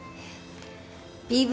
ＢＶ